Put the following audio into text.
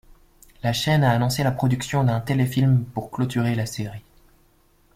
La chaîne a annoncé la production d'un téléfilm pour clôturer la série.